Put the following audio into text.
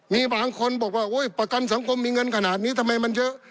มีบางคนบอกว่าประกันสังคมมีเงินขนาดนี้ทำไมมันเยอะ